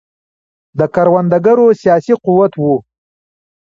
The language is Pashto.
د کروندګرو سیاسي قوت و.